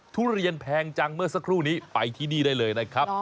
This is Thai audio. ทุเรียนแพงจังเมื่อสักครู่นี้ไปที่นี่ได้เลยนะครับ